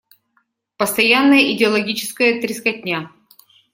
Постоянная идеологическая трескотня.